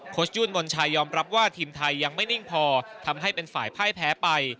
ชยุ่นมนชายยอมรับว่าทีมไทยยังไม่นิ่งพอทำให้เป็นฝ่ายพ่ายแพ้ไป